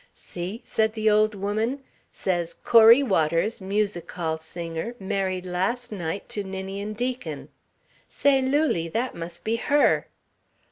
"See," said the old woman, "says, 'Corie Waters, music hall singer married last night to Ninian Deacon ' Say, Lulie, that must be her...."